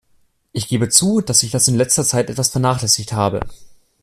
Ich gebe zu, dass ich das in letzter Zeit etwas vernachlässigt habe.